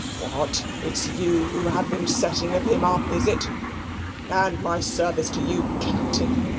What, it's you who have been a setting of him up is it? and my service to you, CAPTAIN.